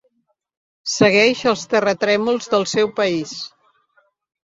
Segueix els terratrèmols del seu país.